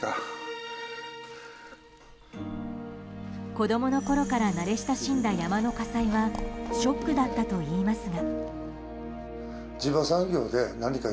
子供のころから慣れ親しんだ山の火災はショックだったといいますが。